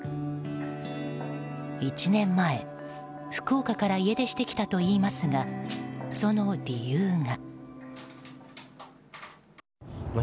１年前、福岡から家出してきたといいますがその理由が。